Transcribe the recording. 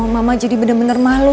mama jadi bener bener malu